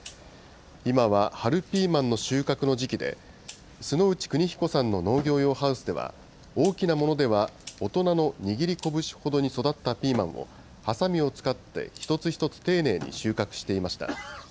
今は春ピーマンの収穫の時期で、須之内邦彦さんの農業用ハウスでは大きなものでは大人の握り拳ほどに育ったピーマンをはさみを使って一つ一つ丁寧に収穫していました。